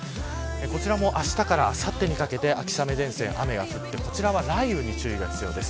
こちらも、あしたからあさってにかけて秋雨前線、雨が降ってこちらは雷雨に注意が必要です。